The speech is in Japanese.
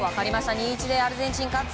２−１でアルゼンチンが勝つ。